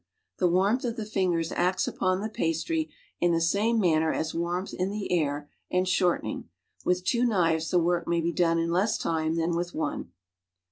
The warmth of the fingers acts upon the jiastry in the same manner as warmth in the air and shortening; with two knives the work may be done in less time than with one.